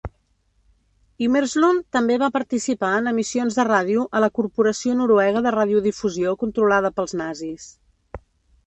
Imerslund també va participar en emissions de ràdio a la Corporació Noruega de Radiodifusió controlada pels nazis.